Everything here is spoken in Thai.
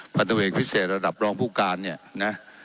พันธบดเอ่งพิเศษระดับรองปรุงการนี่นะ